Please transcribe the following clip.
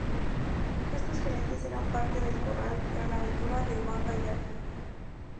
Estos jinetes eran parte del corral Gran Aventura de Iván Gallardo.